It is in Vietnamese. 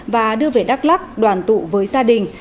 và đưa về đắk lắc đoàn tụ với gia đình